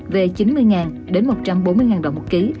về chín mươi đồng đến một trăm bốn mươi đồng mỗi kg